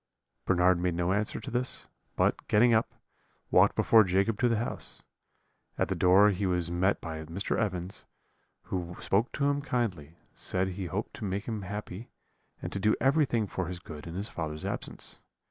"Bernard made no answer to this, but, getting up, walked before Jacob to the house. At the door he was met by Mr. Evans, who spoke to him kindly, said he hoped to make him happy, and to do everything for his good in his father's absence.